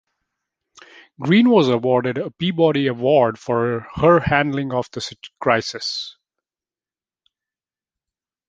Green was awarded a Peabody Award for her handling of the crisis.